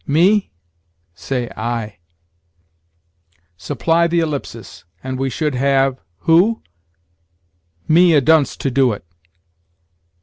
me?" say, I. Supply the ellipsis, and we should have, Who? me a dunce to do it?